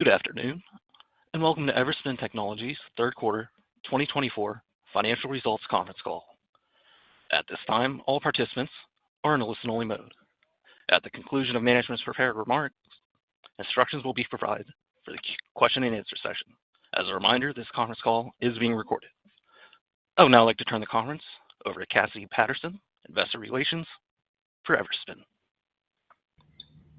Good afternoon and welcome to Everspin Technologies' third quarter 2024 financial results conference call. At this time, all participants are in a listen-only mode. At the conclusion of management's prepared remarks, instructions will be provided for the question-and-answer session. As a reminder, this conference call is being recorded. I would now like to turn the conference over to Cassie Patterson, Investor Relations, for Everspin.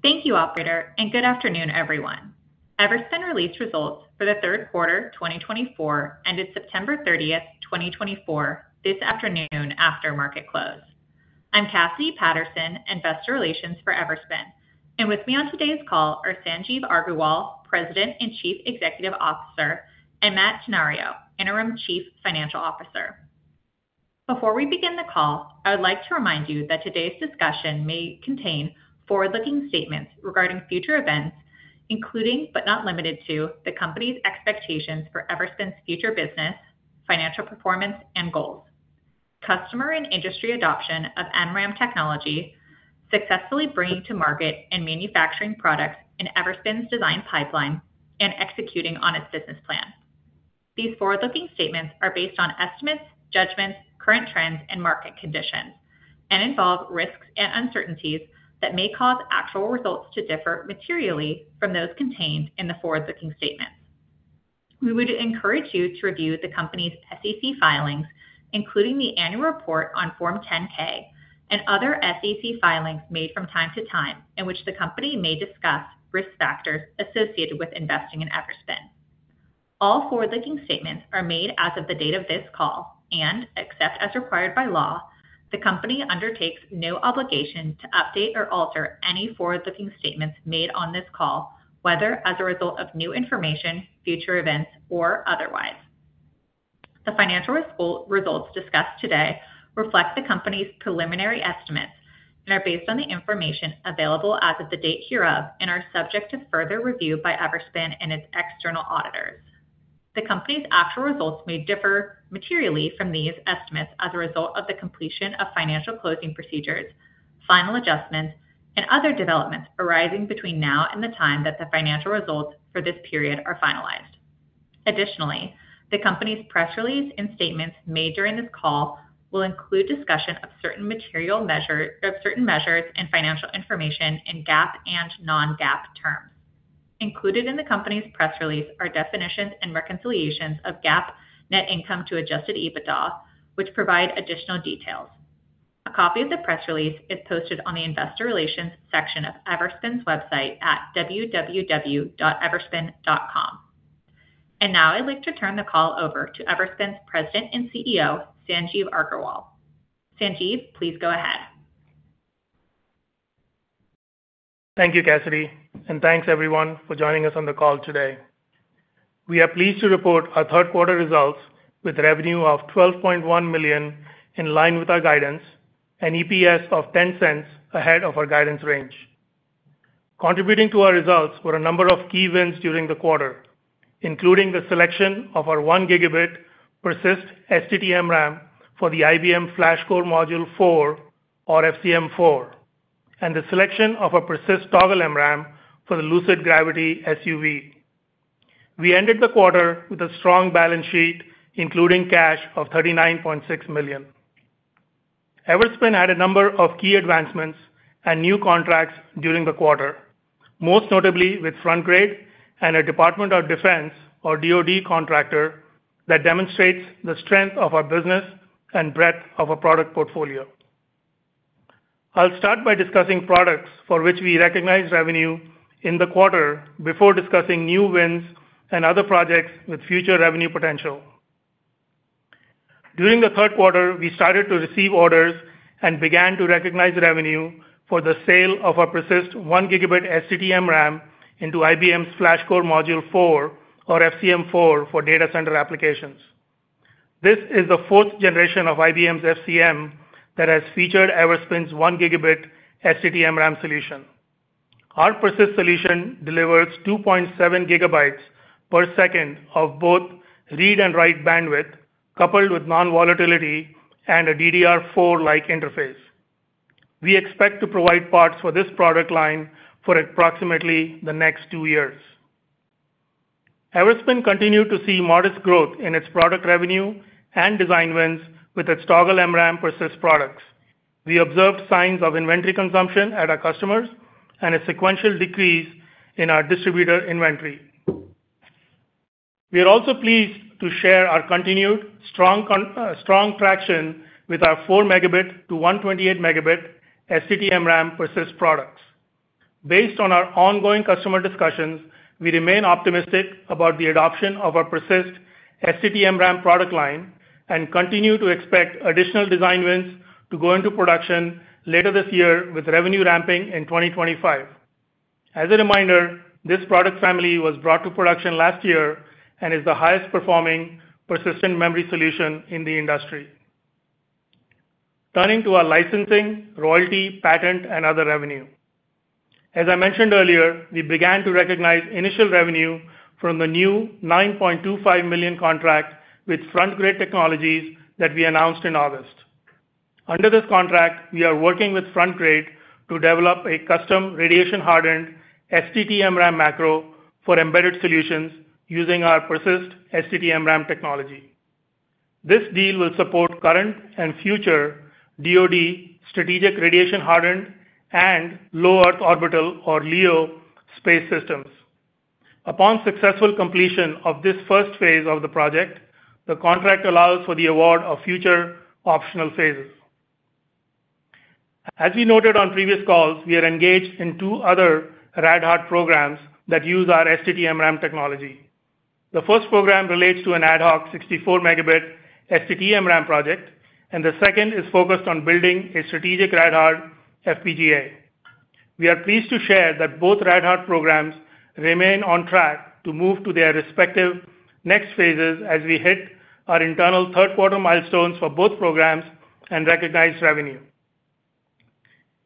Thank you, Operator, and good afternoon, everyone. Everspin released results for the third quarter 2024 ended September 30, 2024, this afternoon after market close. I'm Cassie Patterson, Investor Relations for Everspin, and with me on today's call are Sanjeev Aggarwal, President and Chief Executive Officer, and Matt Tenorio, Interim Chief Financial Officer. Before we begin the call, I would like to remind you that today's discussion may contain forward-looking statements regarding future events, including but not limited to the company's expectations for Everspin's future business, financial performance, and goals, customer and industry adoption of MRAM technology, successfully bringing to market and manufacturing products in Everspin's design pipeline, and executing on its business plan. These forward-looking statements are based on estimates, judgments, current trends, and market conditions, and involve risks and uncertainties that may cause actual results to differ materially from those contained in the forward-looking statements. We would encourage you to review the company's SEC filings, including the annual report on Form 10-K and other SEC filings made from time to time in which the company may discuss risk factors associated with investing in Everspin. All forward-looking statements are made as of the date of this call and, except as required by law, the company undertakes no obligation to update or alter any forward-looking statements made on this call, whether as a result of new information, future events, or otherwise. The financial results discussed today reflect the company's preliminary estimates and are based on the information available as of the date hereof and are subject to further review by Everspin and its external auditors. The company's actual results may differ materially from these estimates as a result of the completion of financial closing procedures, final adjustments, and other developments arising between now and the time that the financial results for this period are finalized. Additionally, the company's press release and statements made during this call will include discussion of certain measures and financial information in GAAP and non-GAAP terms. Included in the company's press release are definitions and reconciliations of GAAP net income to adjusted EBITDA, which provide additional details. A copy of the press release is posted on the Investor Relations section of Everspin's website at www.everspin.com. And now I'd like to turn the call over to Everspin's President and CEO, Sanjeev Aggarwal. Sanjeev, please go ahead. Thank you, Cassie, and thanks everyone for joining us on the call today. We are pleased to report our third quarter results with revenue of $12.1 million in line with our guidance and EPS of $0.10 ahead of our guidance range. Contributing to our results were a number of key wins during the quarter, including the selection of our one-gigabit PERSYST STT MRAM for the IBM FlashCore Module 4, or FCM4, and the selection of a PERSYST Toggle MRAM for the Lucid Gravity SUV. We ended the quarter with a strong balance sheet, including cash of $39.6 million. Everspin had a number of key advancements and new contracts during the quarter, most notably with Frontgrade and a Department of Defense, or DOD, contractor that demonstrates the strength of our business and breadth of our product portfolio. I'll start by discussing products for which we recognized revenue in the quarter before discussing new wins and other projects with future revenue potential. During the third quarter, we started to receive orders and began to recognize revenue for the sale of a Persist one-gigabit STT MRAM into IBM's FlashCore Module 4, or FCM4, for data center applications. This is the fourth generation of IBM's FCM that has featured Everspin's one-gigabit STT MRAM solution. Our Persist solution delivers 2.7 gigabytes per second of both read and write bandwidth, coupled with non-volatility and a DDR4-like interface. We expect to provide parts for this product line for approximately the next two years. Everspin continued to see modest growth in its product revenue and design wins with its Toggle MRAM Persist products. We observed signs of inventory consumption at our customers and a sequential decrease in our distributor inventory. We are also pleased to share our continued strong traction with our 4 megabit to 128 megabit STT MRAM Persist products. Based on our ongoing customer discussions, we remain optimistic about the adoption of our Persist STT MRAM product line and continue to expect additional design wins to go into production later this year with revenue ramping in 2025. As a reminder, this product family was brought to production last year and is the highest-performing Persistent Memory solution in the industry. Turning to our licensing, royalty, patent, and other revenue. As I mentioned earlier, we began to recognize initial revenue from the new $9.25 million contract with Frontgrade Technologies that we announced in August. Under this contract, we are working with Frontgrade to develop a custom radiation-hardened STT MRAM macro for embedded solutions using our Persist STT MRAM technology. This deal will support current and future DOD strategic radiation-hardened and low Earth orbital, or LEO, space systems. Upon successful completion of this first phase of the project, the contract allows for the award of future optional phases. As we noted on previous calls, we are engaged in two other Rad Hard programs that use our STT MRAM technology. The first program relates to an ad hoc 64-megabit STT MRAM project, and the second is focused on building a strategic Rad Hard FPGA. We are pleased to share that both Rad Hard programs remain on track to move to their respective next phases as we hit our internal third quarter milestones for both programs and recognize revenue.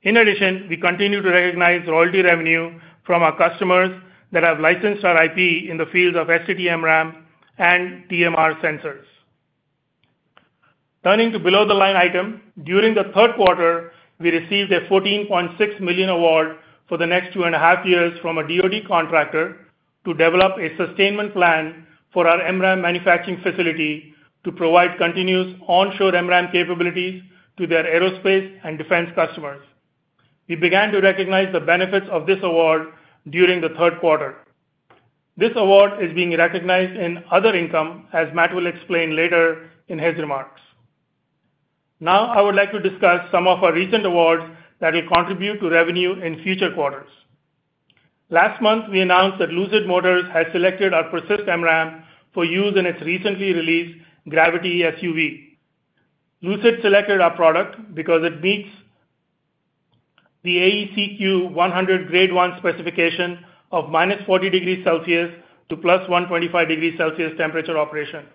In addition, we continue to recognize royalty revenue from our customers that have licensed our IP in the field of STT MRAM and TMR sensors. Turning to below-the-line item, during the third quarter, we received a $14.6 million award for the next two and a half years from a DOD contractor to develop a sustainment plan for our MRAM manufacturing facility to provide continuous onshore MRAM capabilities to their aerospace and defense customers. We began to recognize the benefits of this award during the third quarter. This award is being recognized in other income, as Matt will explain later in his remarks. Now, I would like to discuss some of our recent awards that will contribute to revenue in future quarters. Last month, we announced that Lucid Motors had selected our Persist MRAM for use in its recently released Gravity SUV. Lucid selected our product because it meets the AEC-Q100 Grade 1 specification of -40 degrees Celsius to +125 degrees Celsius temperature operation.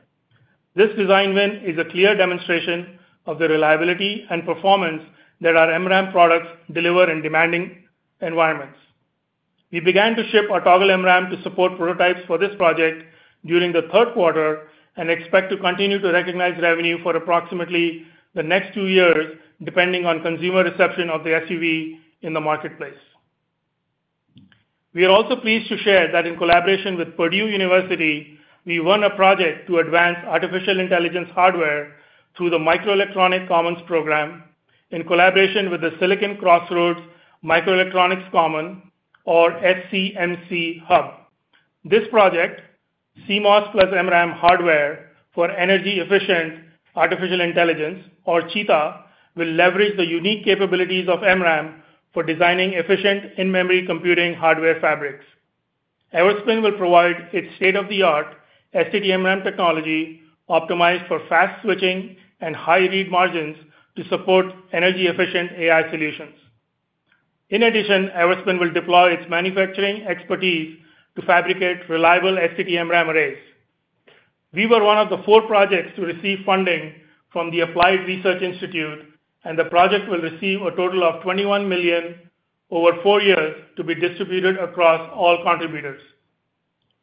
This design win is a clear demonstration of the reliability and performance that our MRAM products deliver in demanding environments. We began to ship our Toggle MRAM to support prototypes for this project during the third quarter and expect to continue to recognize revenue for approximately the next two years, depending on consumer reception of the SUV in the marketplace. We are also pleased to share that in collaboration with Purdue University, we won a project to advance artificial intelligence hardware through the Microelectronics Commons program in collaboration with the Silicon Crossroads Microelectronics Commons, or SCMC Hub. This project, CMOS plus MRAM hardware for energy-efficient artificial intelligence, or CHITA, will leverage the unique capabilities of MRAM for designing efficient in-memory computing hardware fabrics. Everspin will provide its state-of-the-art STT MRAM technology optimized for fast switching and high read margins to support energy-efficient AI solutions. In addition, Everspin will deploy its manufacturing expertise to fabricate reliable STT MRAM arrays. We were one of the four projects to receive funding from the Applied Research Institute, and the project will receive a total of $21 million over four years to be distributed across all contributors.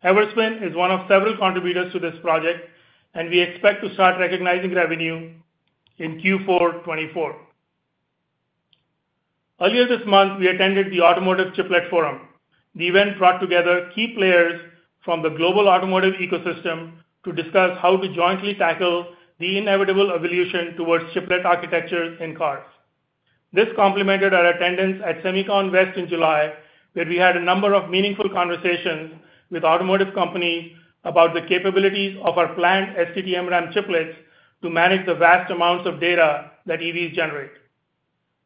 Everspin is one of several contributors to this project, and we expect to start recognizing revenue in Q4 2024. Earlier this month, we attended the Automotive Chiplet Forum. The event brought together key players from the global automotive ecosystem to discuss how to jointly tackle the inevitable evolution towards chiplet architectures in cars. This complemented our attendance at Semicon West in July, where we had a number of meaningful conversations with automotive companies about the capabilities of our planned STT MRAM chiplets to manage the vast amounts of data that EVs generate.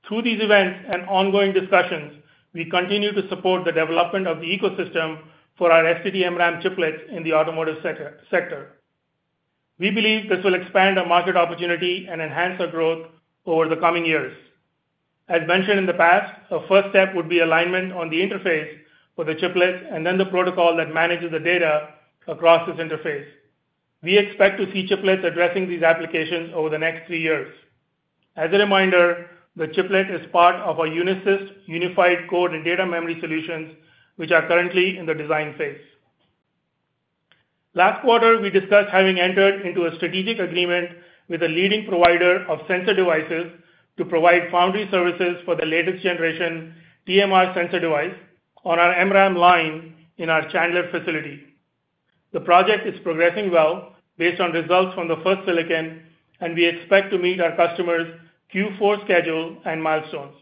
Through these events and ongoing discussions, we continue to support the development of the ecosystem for our STT MRAM chiplets in the automotive sector. We believe this will expand our market opportunity and enhance our growth over the coming years. As mentioned in the past, a first step would be alignment on the interface for the chiplets and then the protocol that manages the data across this interface. We expect to see chiplets addressing these applications over the next three years. As a reminder, the chiplet is part of our Unisyst Unified Core and Data Memory solutions, which are currently in the design phase. Last quarter, we discussed having entered into a strategic agreement with a leading provider of sensor devices to provide foundry services for the latest generation TMR sensor device on our MRAM line in our Chandler facility. The project is progressing well based on results from the first silicon, and we expect to meet our customers' Q4 schedule and milestones.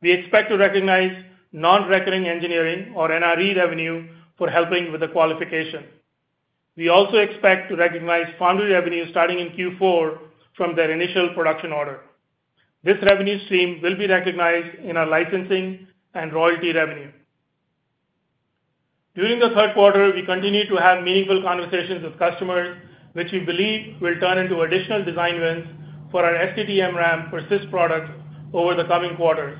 We expect to recognize non-recurring engineering, or NRE, revenue for helping with the qualification. We also expect to recognize foundry revenue starting in Q4 from their initial production order. This revenue stream will be recognized in our licensing and royalty revenue. During the third quarter, we continue to have meaningful conversations with customers, which we believe will turn into additional design wins for our STT MRAM Persist product over the coming quarters.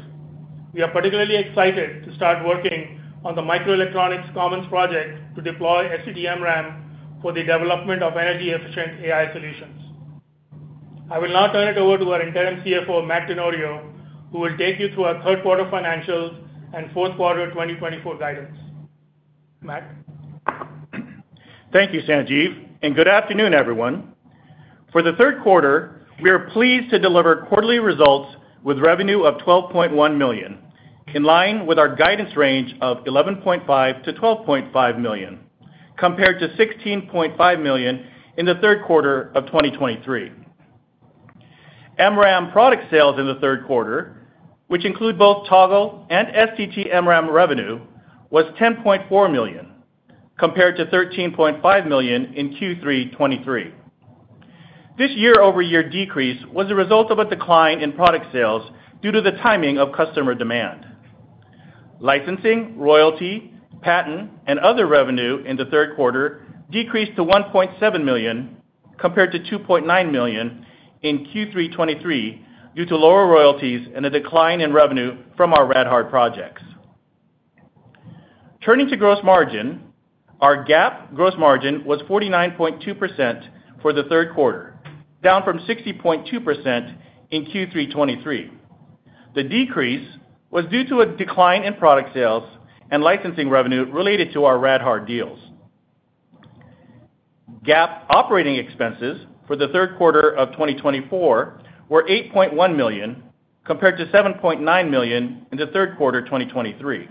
We are particularly excited to start working on the Microelectronics Commons project to deploy STT MRAM for the development of energy-efficient AI solutions. I will now turn it over to our Interim CFO, Matt Tenorio, who will take you through our third quarter financials and fourth quarter 2024 guidance. Matt. Thank you, Sanjeev. Good afternoon, everyone. For the third quarter, we are pleased to deliver quarterly results with revenue of $12.1 million, in line with our guidance range of $11.5-$12.5 million, compared to $16.5 million in the third quarter of 2023. MRAM product sales in the third quarter, which include both Toggle and STT MRAM revenue, was $10.4 million, compared to $13.5 million in Q3 2023. This year-over-year decrease was the result of a decline in product sales due to the timing of customer demand. Licensing, royalty, patent, and other revenue in the third quarter decreased to $1.7 million, compared to $2.9 million in Q3 2023 due to lower royalties and a decline in revenue from our Red Hat projects. Turning to gross margin, our GAAP gross margin was 49.2% for the third quarter, down from 60.2% in Q3 2023. The decrease was due to a decline in product sales and licensing revenue related to our Rad Hard deals. GAAP operating expenses for the third quarter of 2024 were $8.1 million, compared to $7.9 million in the third quarter 2023.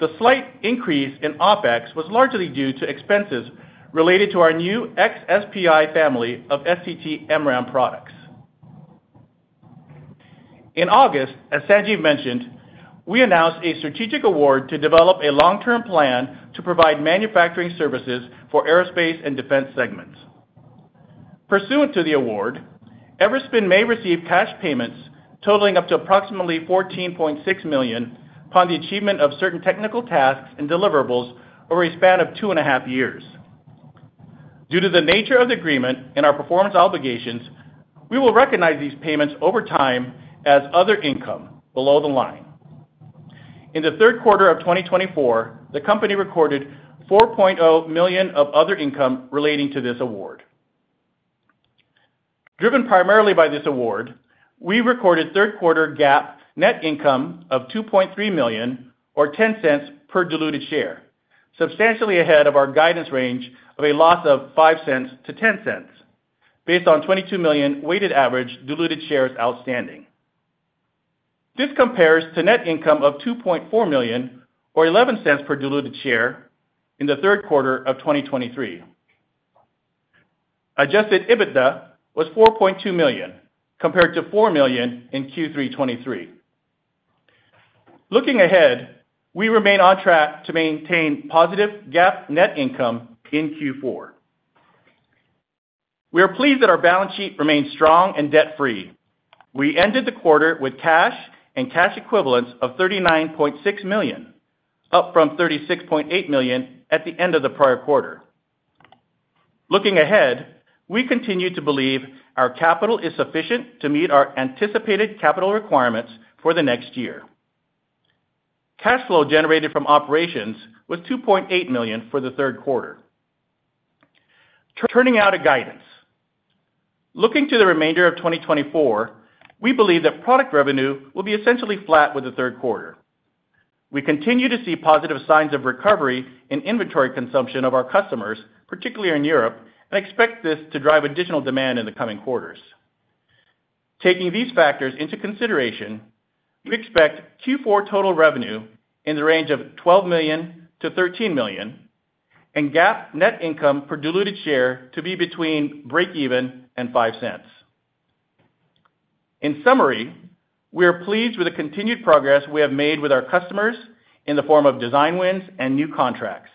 The slight increase in OpEx was largely due to expenses related to our new xSPI family of STT MRAM products. In August, as Sanjeev mentioned, we announced a strategic award to develop a long-term plan to provide manufacturing services for aerospace and defense segments. Pursuant to the award, Everspin may receive cash payments totaling up to approximately $14.6 million upon the achievement of certain technical tasks and deliverables over a span of two and a half years. Due to the nature of the agreement and our performance obligations, we will recognize these payments over time as other income below the line. In the third quarter of 2024, the company recorded $4.0 million of other income relating to this award. Driven primarily by this award, we recorded third quarter GAAP net income of $2.3 million, or $0.10 per diluted share, substantially ahead of our guidance range of a loss of $0.05 to $0.10 based on $22 million weighted average diluted shares outstanding. This compares to net income of $2.4 million, or $0.11 per diluted share in the third quarter of 2023. Adjusted EBITDA was $4.2 million, compared to $4 million in Q3 2023. Looking ahead, we remain on track to maintain positive GAAP net income in Q4. We are pleased that our balance sheet remains strong and debt-free. We ended the quarter with cash and cash equivalents of $39.6 million, up from $36.8 million at the end of the prior quarter. Looking ahead, we continue to believe our capital is sufficient to meet our anticipated capital requirements for the next year. Cash flow generated from operations was $2.8 million for the third quarter. Turning to our guidance. Looking to the remainder of 2024, we believe that product revenue will be essentially flat with the third quarter. We continue to see positive signs of recovery in inventory consumption of our customers, particularly in Europe, and expect this to drive additional demand in the coming quarters. Taking these factors into consideration, we expect Q4 total revenue in the range of $12 million to $13 million and GAAP net income per diluted share to be between break-even and $0.05. In summary, we are pleased with the continued progress we have made with our customers in the form of design wins and new contracts.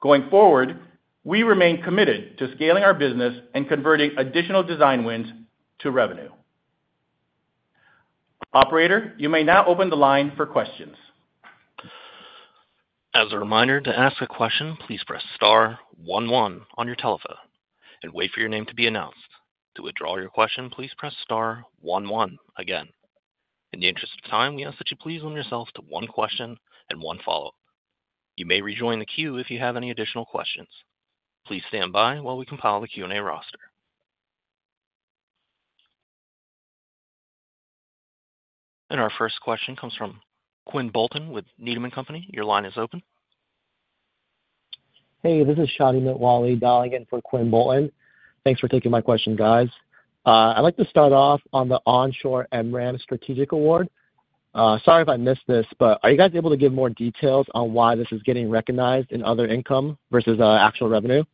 Going forward, we remain committed to scaling our business and converting additional design wins to revenue. Operator, you may now open the line for questions. As a reminder, to ask a question, please press star 11 on your telephone and wait for your name to be announced. To withdraw your question, please press star 11 again. In the interest of time, we ask that you please limit yourself to one question and one follow-up. You may rejoin the queue if you have any additional questions. Please stand by while we compile the Q&A roster. And our first question comes from Quinn Bolton with Needham & Company. Your line is open. Hey, this is Shawnee McWalley, dialing in for Quinn Bolton. Thanks for taking my question, guys. I'd like to start off on the Onshore MRAM Strategic Award. Sorry if I missed this, but are you guys able to give more details on why this is getting recognized in other income versus actual revenue?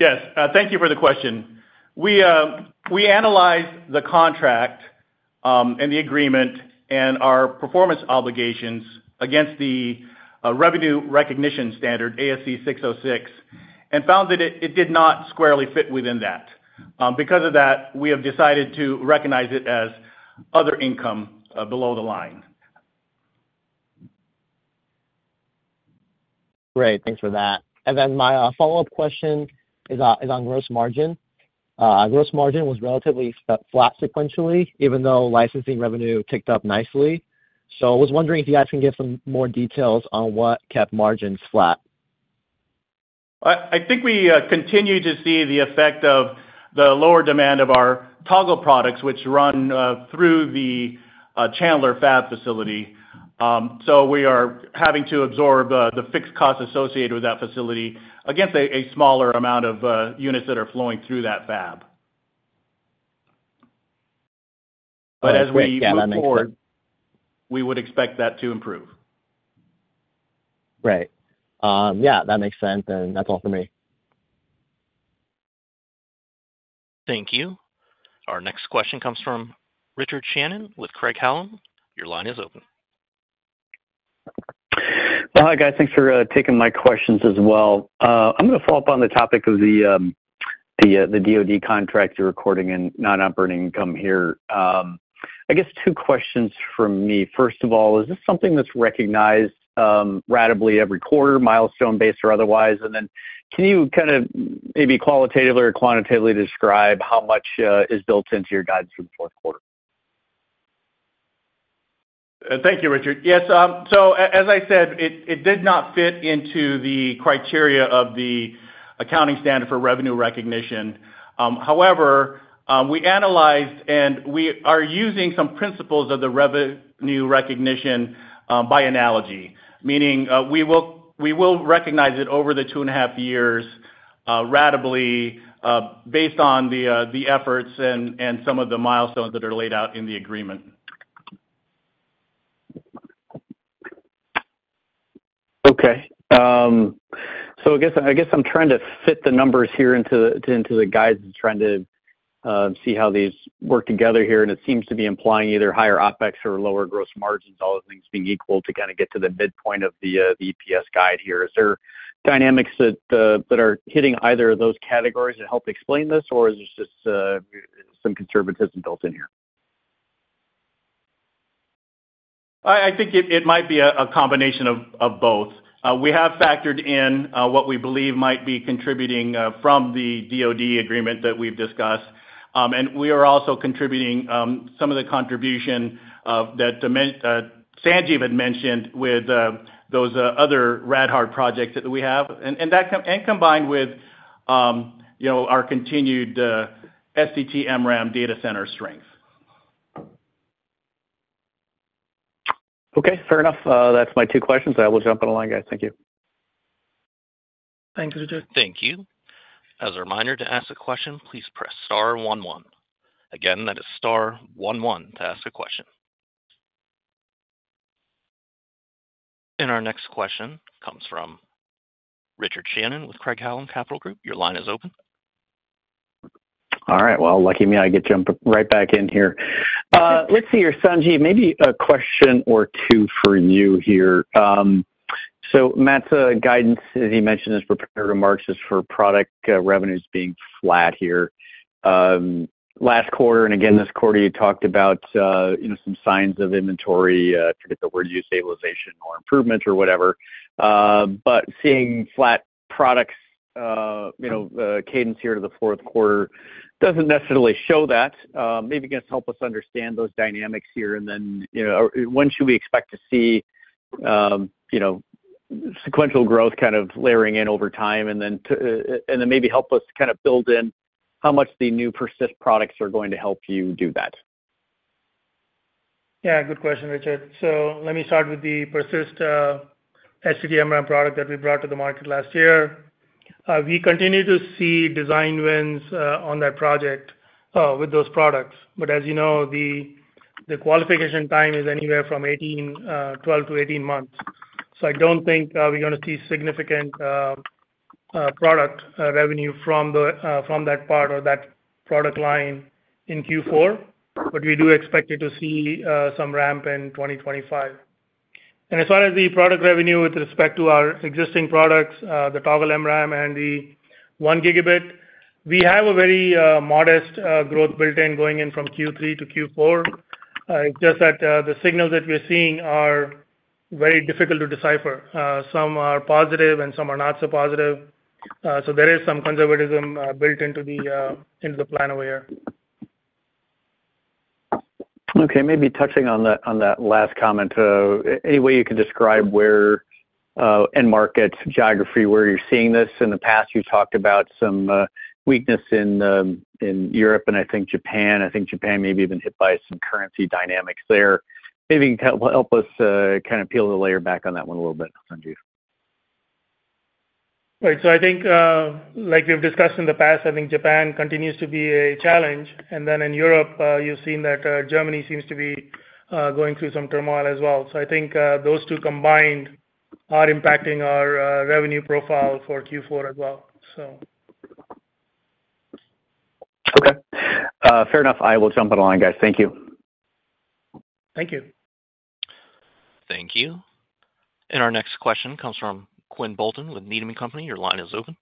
Yes. Thank you for the question. We analyzed the contract and the agreement and our performance obligations against the revenue recognition standard, ASC 606, and found that it did not squarely fit within that. Because of that, we have decided to recognize it as other income below the line. Great. Thanks for that. And then my follow-up question is on gross margin. Gross margin was relatively flat sequentially, even though licensing revenue ticked up nicely. So I was wondering if you guys can give some more details on what kept margins flat. I think we continue to see the effect of the lower demand of our Toggle products, which run through the Chandler fab facility. So we are having to absorb the fixed costs associated with that facility against a smaller amount of units that are flowing through that fab. But as we move forward, we would expect that to improve. Right. Yeah, that makes sense, and that's all for me. Thank you. Our next question comes from Richard Shannon with Craig-Hallum. Your line is open. Hi, guys. Thanks for taking my questions as well. I'm going to follow up on the topic of the DOD contract, the ordering, and non-operating income here. I guess I have two questions for you. First of all, is this something that's recognized ratably every quarter, milestone-based or otherwise? And then can you kind of maybe qualitatively or quantitatively describe how much is built into your guidance for the fourth quarter? Thank you, Richard. Yes. So as I said, it did not fit into the criteria of the accounting standard for revenue recognition. However, we analyzed and we are using some principles of the revenue recognition by analogy, meaning we will recognize it over the two and a half years ratably based on the efforts and some of the milestones that are laid out in the agreement. Okay. So I guess I'm trying to fit the numbers here into the guidance and trying to see how these work together here. And it seems to be implying either higher OpEx or lower gross margins, all those things being equal to kind of get to the midpoint of the EPS guide here. Is there dynamics that are hitting either of those categories that help explain this, or is there just some conservatism built in here? I think it might be a combination of both. We have factored in what we believe might be contributing from the DOD agreement that we've discussed. And we are also contributing some of the contribution that Sanjeev had mentioned with those other Red Hat projects that we have, and combined with our continued STT MRAM data center strength. Okay. Fair enough. That's my two questions. I will jump on the line, guys. Thank you. Thank you, Richard. Thank you. As a reminder to ask a question, please press star 11. Again, that is star 11 to ask a question. And our next question comes from Richard Shannon with Craig-Hallum Capital Group. Your line is open. All right. Well, lucky me, I get jumped right back in here. Let's see here, Sanjeev, maybe a question or two for you here, so Matt's guidance, as he mentioned, is for product revenues being flat here. Last quarter, and again this quarter, you talked about some signs of inventory, I forget the word you used, stabilization or improvement or whatever, but seeing flat products cadence here to the fourth quarter doesn't necessarily show that. Maybe it can help us understand those dynamics here, and then when should we expect to see sequential growth kind of layering in over time, and then maybe help us kind of build in how much the new Persist products are going to help you do that. Yeah. Good question, Richard. So let me start with the Persist STT MRAM product that we brought to the market last year. We continue to see design wins on that project with those products. But as you know, the qualification time is anywhere from 12 to 18 months. So I don't think we're going to see significant product revenue from that part or that product line in Q4. But we do expect to see some ramp in 2025. And as far as the product revenue with respect to our existing products, the Toggle MRAM and the 1 gigabit, we have a very modest growth built in going in from Q3 to Q4. It's just that the signals that we're seeing are very difficult to decipher. Some are positive and some are not so positive. So there is some conservatism built into the plan over here. Okay. Maybe touching on that last comment, any way you can describe where in markets geography where you're seeing this? In the past, you talked about some weakness in Europe and I think Japan. I think Japan maybe even hit by some currency dynamics there. Maybe you can help us kind of peel the layer back on that one a little bit, Sanjeev. Right. So I think, like we've discussed in the past, I think Japan continues to be a challenge. And then in Europe, you've seen that Germany seems to be going through some turmoil as well. So I think those two combined are impacting our revenue profile for Q4 as well, so. Okay. Fair enough. I will jump on the line, guys. Thank you. Thank you. Thank you. And our next question comes from Quinn Bolton with Needham & Company. Your line is open.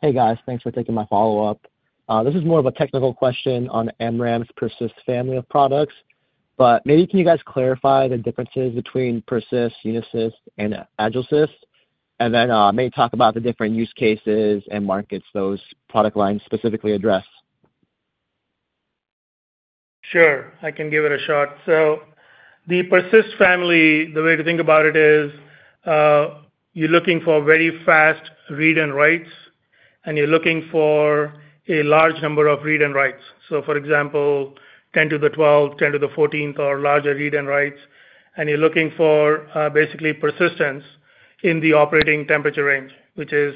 Hey, guys. Thanks for taking my follow-up. This is more of a technical question on MRAM's Persist family of products. But maybe can you guys clarify the differences between Persist, Unisyst, and AgilSys? And then maybe talk about the different use cases and markets those product lines specifically address. Sure. I can give it a shot. So the Persist family, the way to think about it is you're looking for very fast read and writes, and you're looking for a large number of read and writes. So for example, 10 to the 12th, 10 to the 14th, or larger read and writes. And you're looking for basically persistence in the operating temperature range, which is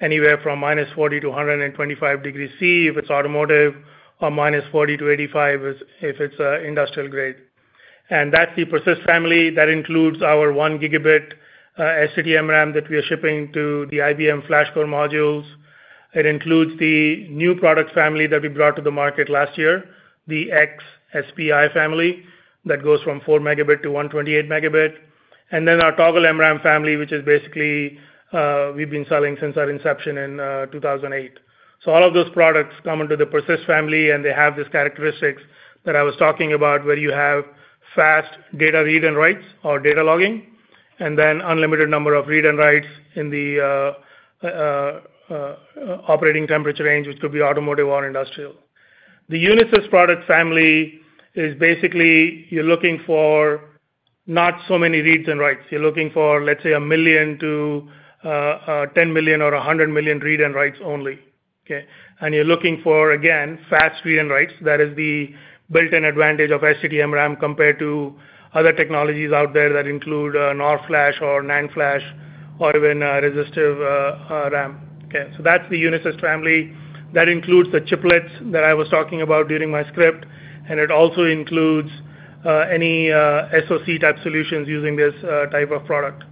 anywhere from minus 40 to 125 degrees Celsius if it's automotive or minus 40 to 85 if it's industrial grade. And that's the Persist family that includes our 1 gigabit STT MRAM that we are shipping to the IBM FlashCore modules. It includes the new product family that we brought to the market last year, the xSPI family that goes from 4 megabit to 128 megabit. And then our Toggle MRAM family, which is basically we've been selling since our inception in 2008. All of those products come into the Persist family, and they have these characteristics that I was talking about where you have fast data read and writes or data logging, and then unlimited number of read and writes in the operating temperature range, which could be automotive or industrial. The Unisyst product family is basically you're looking for not so many reads and writes. You're looking for, let's say, a million to 10 million or 100 million read and writes only. Okay? And you're looking for, again, fast read and writes. That is the built-in advantage of STT MRAM compared to other technologies out there that include NOR Flash or NAND Flash or even resistive RAM. Okay? So that's the Unisyst family. That includes the chiplets that I was talking about during my script. And it also includes any SoC type solutions using this type of product.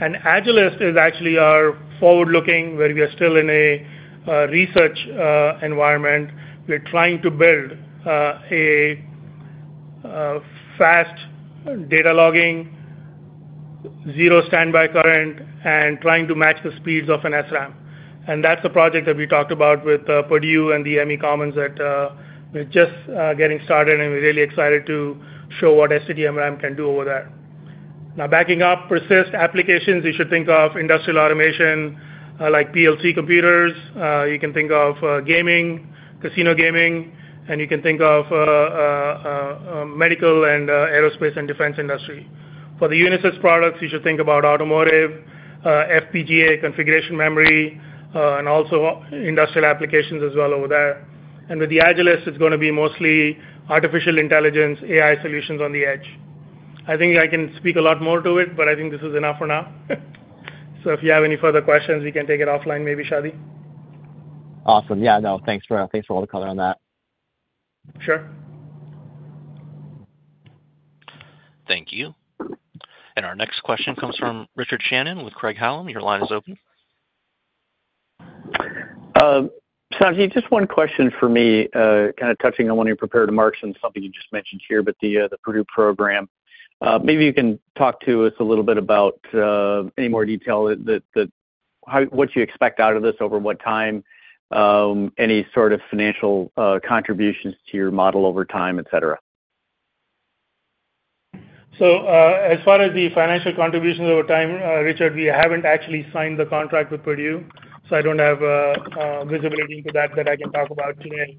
AgilSys is actually our forward-looking where we are still in a research environment. We're trying to build a fast data logging, zero standby current, and trying to match the speeds of an SRAM. That's the project that we talked about with Purdue and the Microelectronics Commons that we're just getting started, and we're really excited to show what STT MRAM can do over there. Now, backing up Persist applications, you should think of industrial automation like PLC computers. You can think of gaming, casino gaming, and you can think of medical and aerospace and defense industry. For the Unisyst products, you should think about automotive, FPGA, configuration memory, and also industrial applications as well over there. With the AgilSys, it's going to be mostly artificial intelligence, AI solutions on the edge. I think I can speak a lot more to it, but I think this is enough for now. So if you have any further questions, we can take it offline maybe, Shawnee. Awesome. Yeah. No, thanks for all the color on that. Sure. Thank you. And our next question comes from Richard Shannon with Craig-Hallum. Your line is open. Sanjeev, just one question for me, kind of touching on when you're prepared to market and something you just mentioned here about the Purdue program. Maybe you can talk to us a little bit about any more detail than what you expect out of this over what time, any sort of financial contributions to your model over time, etc. So as far as the financial contributions over time, Richard, we haven't actually signed the contract with Purdue. So I don't have visibility into that I can talk about today.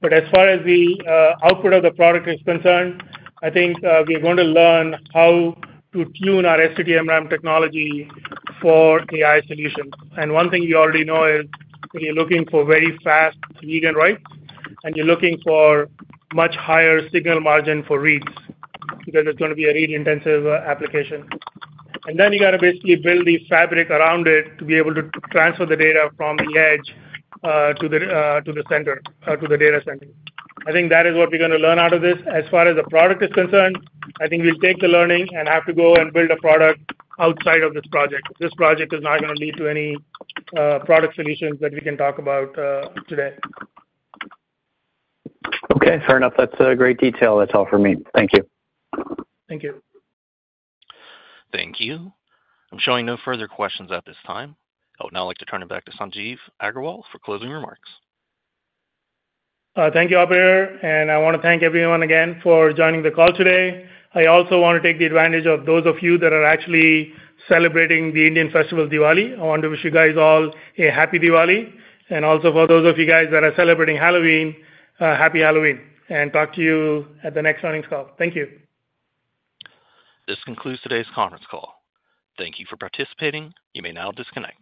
But as far as the output of the product is concerned, I think we're going to learn how to tune our STT MRAM technology for AI solutions. And one thing you already know is if you're looking for very fast read and writes, and you're looking for much higher signal margin for reads because it's going to be a read-intensive application. And then you got to basically build the fabric around it to be able to transfer the data from the edge to the center or to the data center. I think that is what we're going to learn out of this. As far as the product is concerned, I think we'll take the learning and have to go and build a product outside of this project. This project is not going to lead to any product solutions that we can talk about today. Okay. Fair enough. That's great detail. That's all for me. Thank you. Thank you. Thank you. I'm showing no further questions at this time. Oh, now I'd like to turn it back to Sanjeev Aggarwal for closing remarks. Thank you, Albert. And I want to thank everyone again for joining the call today. I also want to take advantage of those of you that are actually celebrating the Indian festival, Diwali. I want to wish you guys all a happy Diwali. And also for those of you guys that are celebrating Halloween, happy Halloween. And talk to you at the next earning call. Thank you. This concludes today's conference call. Thank you for participating. You may now disconnect.